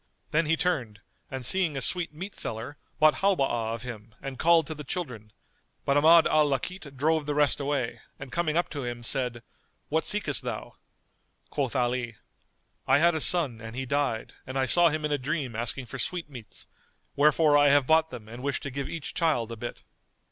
Then he turned and seeing a sweetmeat seller bought Halwá of him and called to the children; but Ahmad al Lakit drove the rest away and coming up to him, said, "What seekest thou?" Quoth Ali, "I had a son and he died and I saw him in a dream asking for sweetmeats: wherefore I have bought them and wish to give each child a bit."